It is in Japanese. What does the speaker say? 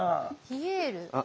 ピエール？